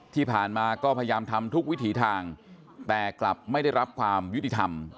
ที่ผ่านมาก็พยายามทำทุกวิถีทางแต่กลับไม่ได้รับความยุติธรรม